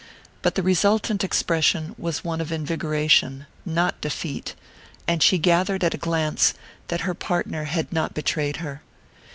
But the resultant expression was one of invigoration, not defeat; and she gathered at a glance that her partner had not betrayed her.